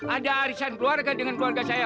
ada arisan keluarga dengan keluarga saya